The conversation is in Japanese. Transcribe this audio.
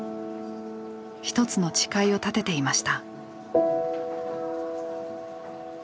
一つの誓いを立てていました。